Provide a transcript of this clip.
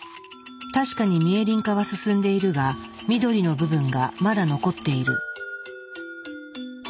確かにミエリン化は進んでいるが緑の部分がまだ残っている。